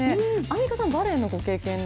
アンミカさん、バレエのご経験は。